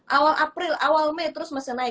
awal april awal mei terus masih naik